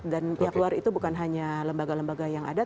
dan pihak luar itu bukan hanya lembaga lembaga yang ada